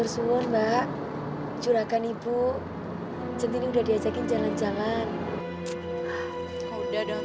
sekali sekali boleh dong